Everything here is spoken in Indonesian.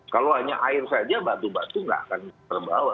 kalau hanya air saja batu batu nggak akan terbawa